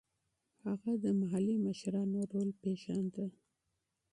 هغه د محلي مشرانو رول پېژانده.